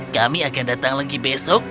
kami akan datang lagi besok